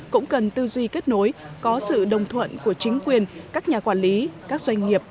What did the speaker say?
cũng cần tư duy kết nối có sự đồng thuận của chính quyền các nhà quản lý các doanh nghiệp